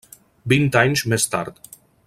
Vint anys més tard.